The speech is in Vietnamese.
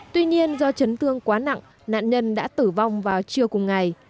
tuy nhiên do chấn thương quá nặng nạn nhân đã tử vong vào chiều cùng ngày